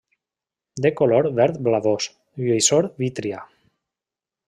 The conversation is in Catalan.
De color verd blavós; lluïssor vítria.